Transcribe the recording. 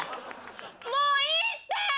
もういいって！